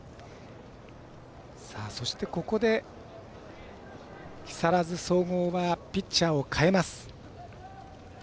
そして、ここで木更津総合はピッチャーを代えます。